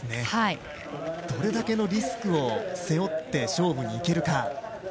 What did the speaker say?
どれだけのリスクを背負って勝負に行けるか。